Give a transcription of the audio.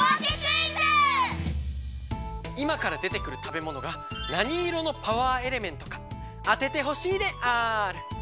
いまからでてくるたべものが何色のパワーエレメントかあててほしいである。